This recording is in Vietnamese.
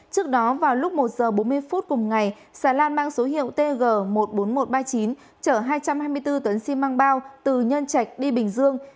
trước đó vào lúc một giờ bốn mươi phút cùng ngày xà lan mang số hiệu tg một mươi bốn nghìn một trăm ba mươi chín chở hai trăm hai mươi bốn tấn xi măng bao từ nhân trạch đi bình dương